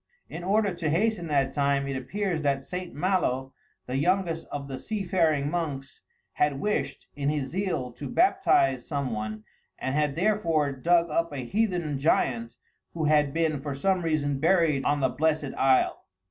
In order to hasten that time, it appears that St. Malo, the youngest of the sea faring monks, had wished, in his zeal, to baptize some one, and had therefore dug up a heathen giant who had been, for some reason, buried on the blessed isle.